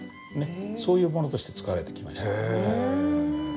そういうものとして使われてきました。